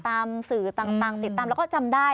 สื่อต่างติดตามแล้วก็จำได้